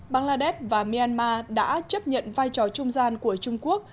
bangladesh và myanmar đã chấp nhận vai trò trung gian của trung quốc